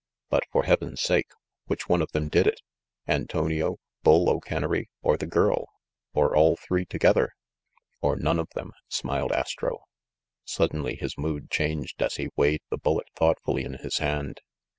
"But, for heaven's sake, which one of them did it? Antonio ? Bull O'Kennery ? Or the girl ? Or all three together?" "Or none of them?" smiled Astro. Suddenly his mood changed as he weighed the bullet thoughtfully in his hand.